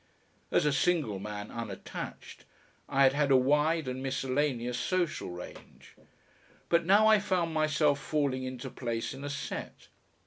As a single man unattached, I had had a wide and miscellaneous social range, but now I found myself falling into place in a set.